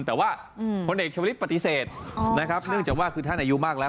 แต่ว่าพลเอกชวลิศปฏิเสธนะครับเนื่องจากว่าคือท่านอายุมากแล้ว